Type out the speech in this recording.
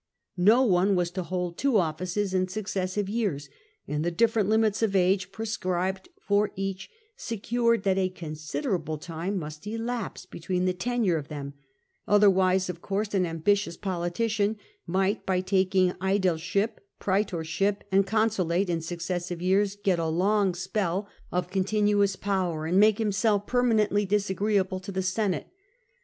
Ho one was to hold two offices in successive years ; and the different limits of age prescribed for each secured that a considerable time must elajpse between the tenure of them, otherwise, of course, an ambitious politician might, by taking aedileship, praetorship, and consulate in successive years, get a long spell of con SULLA 152 tinuous power, and make himself permanently disagree able to the Senate.